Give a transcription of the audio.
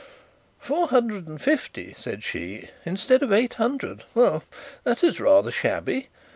'Four hundred and fifty,' said she, 'instead of eight hundred! Well; that is rather shabby.